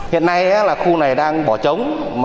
hiện nay khu này đang bỏ trống